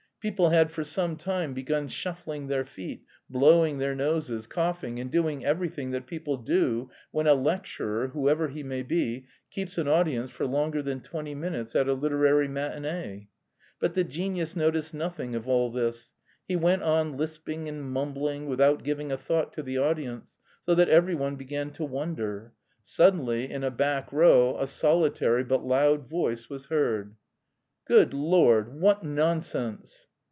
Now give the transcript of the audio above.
People had for some time begun shuffling their feet, blowing their noses, coughing, and doing everything that people do when a lecturer, whoever he may be, keeps an audience for longer than twenty minutes at a literary matinée. But the genius noticed nothing of all this. He went on lisping and mumbling, without giving a thought to the audience, so that every one began to wonder. Suddenly in a back row a solitary but loud voice was heard: "Good Lord, what nonsense!"